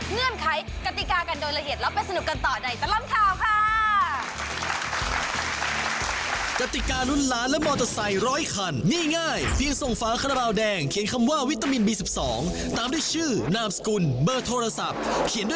เนื่องไขกติกากันโดยละเอียด